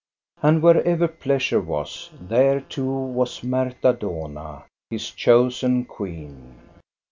And wherever Pleasure was, there too was Marta Dohna, his chosen queen.